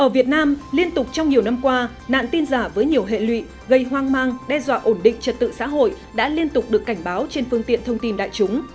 việt nam liên tục trong nhiều năm qua nạn tin giả với nhiều hệ lụy gây hoang mang đe dọa ổn định trật tự xã hội đã liên tục được cảnh báo trên phương tiện thông tin đại chúng